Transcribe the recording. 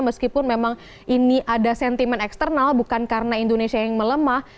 meskipun memang ini ada sentimen eksternal bukan karena indonesia yang melemah